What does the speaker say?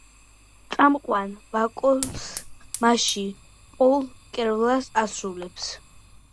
წამყვან ვოკალს მასში პოლ კერაკი ასრულებს.